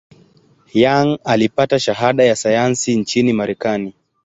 Young alipata shahada ya sayansi nchini Marekani.